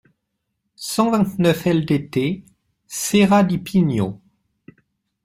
cent vingt-neuf ldt Serra Di Pigno